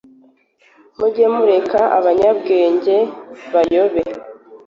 mujye mureka abanyabwenge bayobe